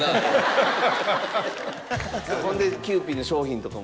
ほんでキユーピーの商品とかも。